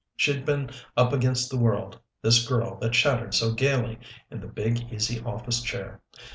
She'd been up against the world, this girl that chattered so gayly in the big, easy office chair.